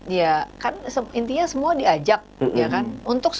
ya kan intinya semua diajak